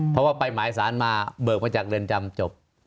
เพราะว่าไปหมายสารมาเบิกมาจากเรือนจำจบ